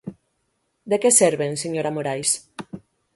¿De que serven, señora Morais?